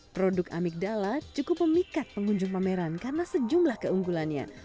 produk amigdala cukup memikat pengunjung pameran karena sejumlah keunggulannya